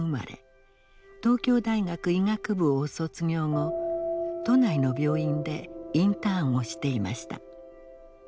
東京大学医学部を卒業後都内の病院でインターンをしていました。